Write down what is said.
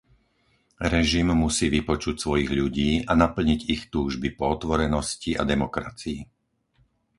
Režim musí vypočuť svojich ľudí a naplniť ich túžby po otvorenosti a demokracii.